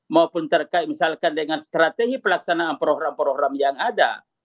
maupun terkait misalkan dengan strategi pelaksanaan program program yang ada